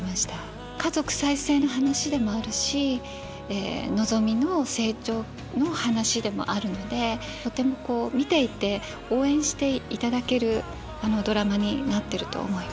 家族再生の話でもあるしのぞみの成長の話でもあるのでとてもこう見ていて応援していただけるドラマになってると思います。